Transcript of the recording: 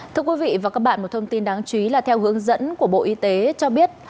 thưa quý vị và các bạn một thông tin đáng chú ý là theo hướng dẫn của bộ y tế cho biết